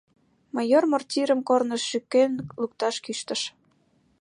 Майор мортирым корныш шӱкен лукташ кӱштыш.